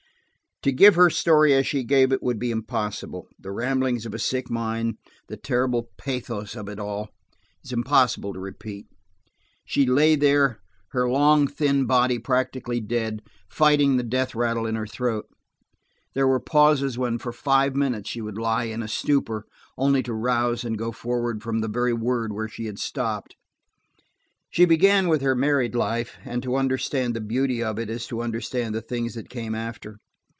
To give her story as she gave it would be impossible; the ramblings of a sick mind, the terrible pathos of it all, is impossible to repeat. She lay there, her long, thin body practically dead, fighting the death rattle in her throat. There were pauses when for five minutes she would lie in a stupor, only to rouse and go forward from the very word where she had stopped. She began with her married life, and to understand the beauty of it is to understand the things that came after.